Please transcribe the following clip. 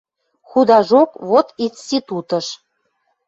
Худажок — вот институтыш